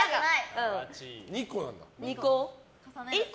２個。